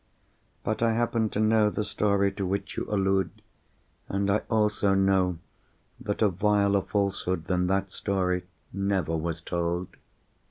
But I happen to know the story to which you allude; and I also know that a viler falsehood than that story never was told."